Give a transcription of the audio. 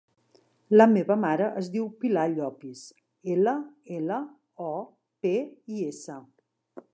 La meva mare es diu Pilar Llopis: ela, ela, o, pe, i, essa.